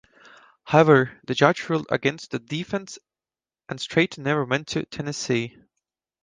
However, the judge ruled against the defense and Straton never went to Tennessee.